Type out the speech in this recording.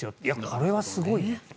これはすごいなと。